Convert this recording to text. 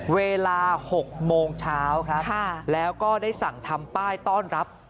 เวลา๖โมงเช้าครับแล้วก็ได้สั่งทำป้ายต้อนรับ